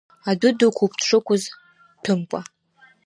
Адәы дықәуп дшықәыц дҭәымкәа…